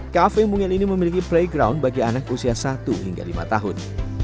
kafe mungil ini memiliki playground bagi anak usia satu hingga lima tahun